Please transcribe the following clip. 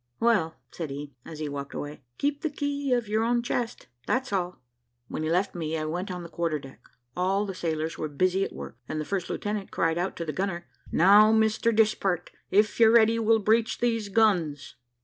Well," said he, as he walked away, "keep the key of your own chest that's all." When he left me I went on the quarter deck. All the sailors were busy at work, and the first lieutenant cried out to the gunner, "Now, Mr Dispart, if you're ready, we'll breech these guns."